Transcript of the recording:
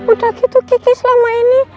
udah gitu gigi selama ini